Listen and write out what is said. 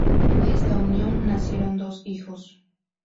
De esta unión nacieron dos hijos.